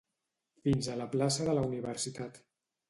Fins a la plaça de la Universitat.